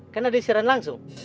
kan ada siaran langsung